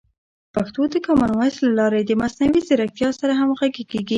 پښتو د کامن وایس له لارې د مصنوعي ځیرکتیا سره همغږي کیږي.